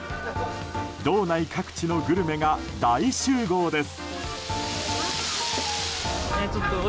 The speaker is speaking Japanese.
道内各地のグルメが大集合です。